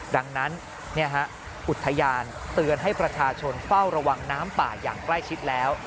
ดังนั้นอุทยานเตือนให้ประชาชนเฝ้าระวังน้ำป่าอย่างใกล้ชิดแล้ว